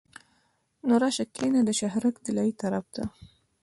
نو راشه کنه د شهرک طلایې طرف ته.